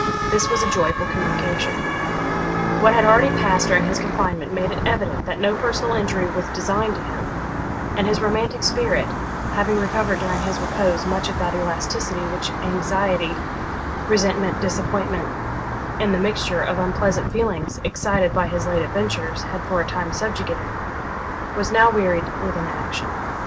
This was a joyful communication. What had already passed during his confinement made it evident that no personal injury was designed to him; and his romantic spirit, having recovered during his repose much of that elasticity which anxiety, resentment, disappointment, and the mixture of unpleasant feelings excited by his late adventures had for a time subjugated, was now wearied with inaction.